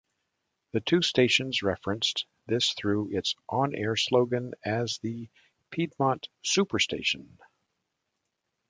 The two stations referenced this through its on-air slogan as the "Piedmont Superstation".